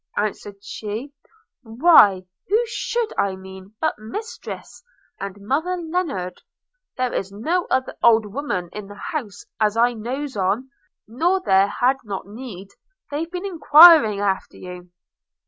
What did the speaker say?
answered she; 'why, who should I mean, but mistress, and mother Lennard? There's no other old woman in the house as I knows on, nor there had not need. They've been enquiring after you.'